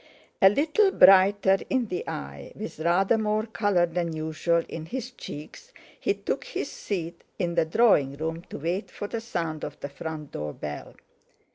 A little brighter in the eye, with rather more colour than usual in his cheeks, he took his seat in the drawing room to wait for the sound of the front door bell.